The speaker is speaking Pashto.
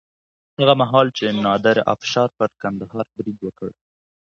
هغه مهال چې نادر افشار پر کندهار برید وکړ.